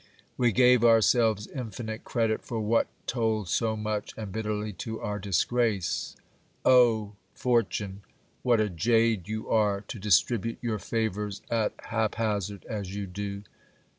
We gave ourselves infinite credit for what told so much and bitterly to our dis grace. O fortune ! what a jade you are, to distribute your favours at hap hazard as you do